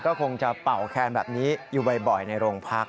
ก็คงจะเป่าแคนแบบนี้อยู่บ่อยในโรงพัก